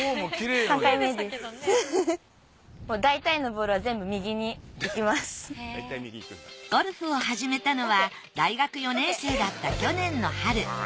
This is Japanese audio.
だいたいのゴルフを始めたのは大学４年生だった去年の春。